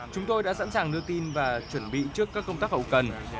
chúng tôi đã sẵn sàng đưa tin và chuẩn bị trước các công tác hậu cần